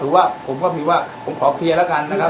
ว่าผมก็มีว่าผมขอเคลียร์แล้วกันนะครับ